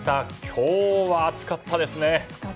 今日は暑かったですね。